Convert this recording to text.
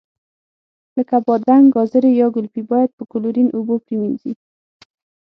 لکه بادرنګ، ګازرې یا ګلپي باید په کلورین اوبو پرېمنځي.